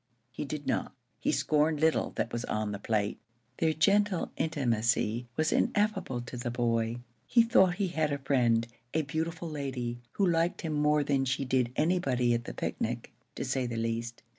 He did not; he scorned little that was on the plate. Their gentle intimacy was ineffable to the boy. He thought he had a friend, a beautiful lady, who liked him more than she did anybody at the picnic, to say the least.